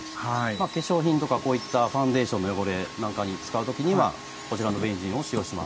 化粧品とかこういったファンデーションの汚れなんかに使う時はこちらのベンジンを使用します。